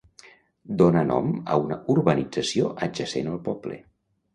Dóna nom a una urbanització adjacent al poble.